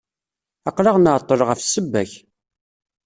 Aql-aɣ nɛeṭṭel ɣef ssebba-k.